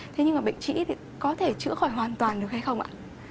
thế nhưng mà bệnh trĩ thì có thể chữa khỏi hoàn toàn được hay không ạ